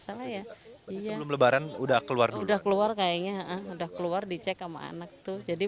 salah ya sebelum lebaran udah keluar udah keluar kayaknya udah keluar dicek sama anak tuh jadi